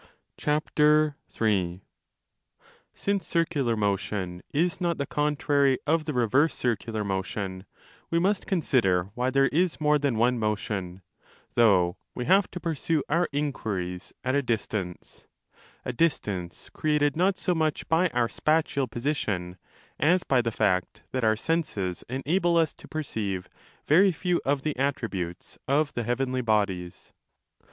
3 Since circular motion is not the contrary of the reverse circular motion, we must consider why there is more than one motion, though we have to pursue our inquiries at 5 a distance—a distance created not so much by our spatial position as by the fact that our senses enable us to perceive very few of the attributes of the heavenly bodies.